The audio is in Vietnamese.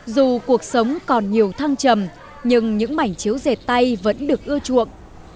dù cuộc sống còn nhiều thăng trầm nhưng những mảnh chiếu dệt tay vẫn được ưa chuộng